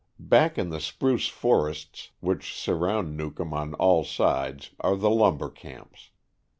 Back in the spruce forests which sur round Newcomb on all sides are the lumber camps.